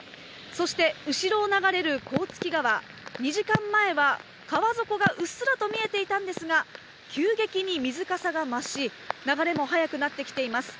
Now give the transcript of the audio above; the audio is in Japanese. そして後ろを流れる甲突川、２時間前は川底がうっすらと見えていたんですが、急激に水かさが増し、流れも速くなってきています。